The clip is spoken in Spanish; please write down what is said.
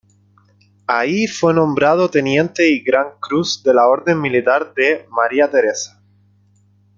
Ahí fue nombrado teniente y Gran Cruz de la Orden Militar de María Teresa.